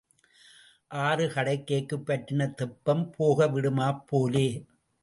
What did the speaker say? ஆறு கடக்கைக்குப் பற்றின தெப்பம் போகவிடுமாப் போலே.